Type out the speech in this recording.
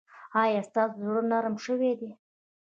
ایا ستاسو زړه نرم شوی دی؟